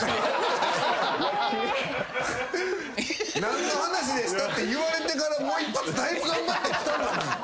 「なんの話ですか？」って言われてからもう一発だいぶ頑張ってきたのに。